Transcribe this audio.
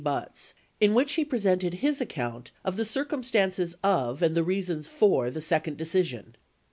Buts, in which he presented his account of the circumstances of and the reasons for the second decision.